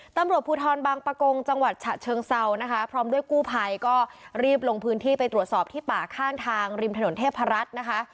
ตำรวจภูทรบางประกงจังหวัดฉะเชิงเซานะคะพร้อมด้วยกู้ภัยก็รีบลงพื้นที่ไปตรวจสอบที่ป่าข้างทางริมถนนเทพรัฐนะคะ